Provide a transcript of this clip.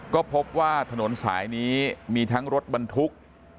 ก็พบว่าถนนสายนี้มีทั้งรถบรรทุก